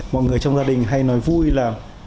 mọi người trong gia đình hay nói vui là